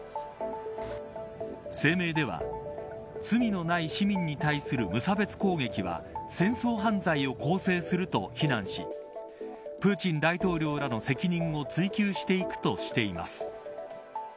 声明では罪のない市民に対する無差別攻撃は戦争犯罪を構成すると非難しプーチン大統領らの責任を追及していくとしています。